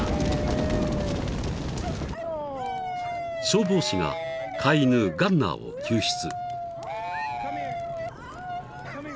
［消防士が飼い犬ガンナーを救出］